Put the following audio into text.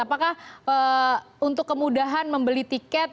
apakah untuk kemudahan membeli tiket